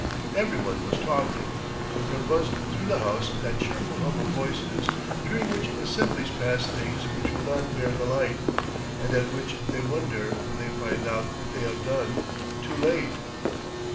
Every one was talking. There buzzed through the House that cheerful hum of voices during which assemblies pass things which will not bear the light, and at which they wonder when they find out what they have done, too late.